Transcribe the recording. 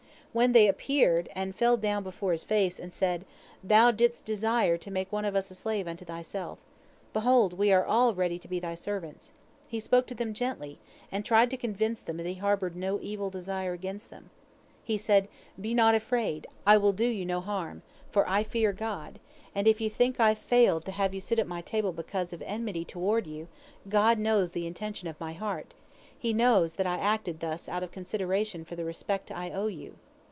When they appeared, and fell down before his face, and said, "Thou didst desire to make one of us a slave unto thyself. Behold, we all are ready to be thy servants," he spoke to them gently, and tried to convince them that he harbored no evil design against them. He said: "Be not afraid, I will do you no harm, for I fear God, and if ye think I failed to have you sit at my table because of enmity toward you, God knows the intentions of my heart, He knows that I acted thus out of consideration for the respect I owe to you."